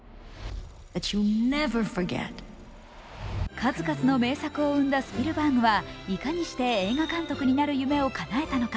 数々の名作を生んだスピルバーグはいかにして映画監督になる夢をかなえたのか。